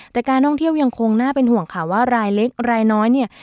แต่การท่องเที่ยวยังคงน่าเป็นห่วงค่ะว่ารายเล็กรายน้อยเนี่ย